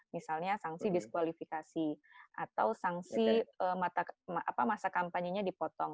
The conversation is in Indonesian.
misalnya sanksi diskualifikasi atau sanksi masa kampanye nya dipotong